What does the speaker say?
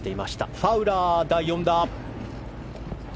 ファウラー、第４打。